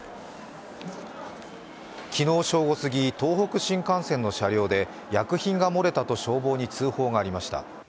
昨日正午すぎ、東北新幹線の車両で薬品がもれたと消防に通報がありました。